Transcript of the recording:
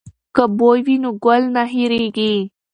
که بوی وي نو ګل نه هیرېږي.